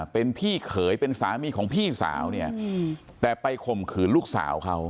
เป็นพี่เขยเป็นสามีของพี่สาวเนี่ยแต่ไปข่มขืนลูกสาวเขา